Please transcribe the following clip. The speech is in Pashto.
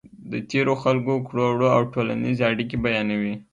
د تېرو خلکو کړو وړه او ټولنیزې اړیکې بیانوي.